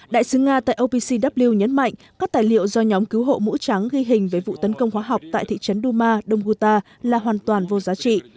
đại sứ nga tại opcw nhấn mạnh các tài liệu do nhóm cứu hộ mũ trắng ghi hình về vụ tấn công hóa học tại thị trấn duma đông guta là hoàn toàn vô giá trị